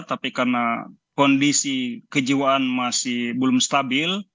tapi karena kondisi kejiwaan masih belum stabil